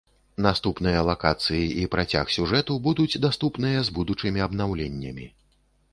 Наступныя лакацыі і працяг сюжэту будуць даступныя з будучымі абнаўленнямі.